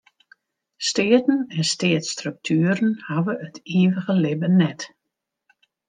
Steaten en steatsstruktueren hawwe it ivige libben net.